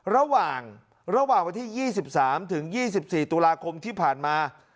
ระหว่างระหว่างวันที่๒๓ถึง๒๔ตุลาคมที่ผ่านมา